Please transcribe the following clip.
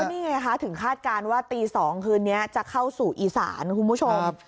นี่ไงคะถึงคาดการณ์ว่าตี๒คืนนี้จะเข้าสู่อีสานคุณผู้ชม